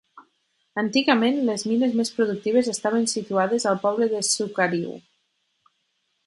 Antigament, les mines més productives estaven situades al poble de Sukariuh.